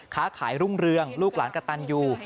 ค้าขายรุ่งเรืองลูกหลานกระตันอยู่